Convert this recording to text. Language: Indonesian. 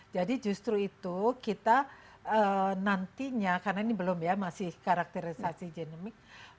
jadi justru itu kita nantinya karena ini belum ya masih karakterisasi genomik